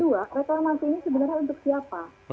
yang kedua reklamasi ini sebenarnya untuk siapa